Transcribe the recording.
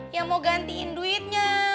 yang mau gantiin duitnya